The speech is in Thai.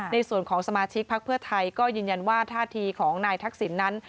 ในส่วนของสมาชิกพักเพื่อไทยก็ยืนยันว่าท่าทีของนายทักษิณนั้น